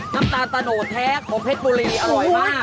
น้ำตาลตะโนดแท้ของเพชรบุรีอร่อยมาก